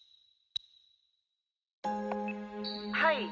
はい？